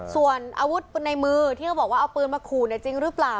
ส่วนอาวุธในมือที่เขาบอกว่าเอาปืนมาขู่จริงหรือเปล่า